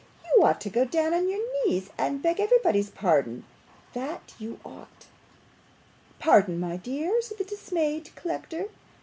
'You ought to go down on your knees and beg everybody's pardon, that you ought.' 'Pardon, my dear?' said the dismayed collector.